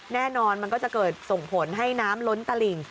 มันก็จะเกิดส่งผลให้น้ำล้นตลิ่ง